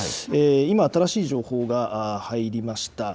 今、新しい情報が入りました。